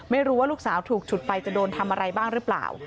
ไม่รู้ว่าลูกสาวถูกฉุดไปจะโดนทำอะไรบ้างหรือเปล่า